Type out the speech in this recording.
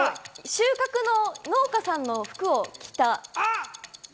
収穫の農家さんの服を着た。